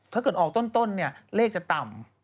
ถ้าเกิดออกต้นเนี่ยเลขจะต่ำ